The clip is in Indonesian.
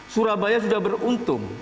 surabaya sudah beruntung